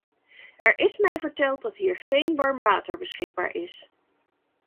Er is mij verteld dat hier geen warm water beschikbaar is.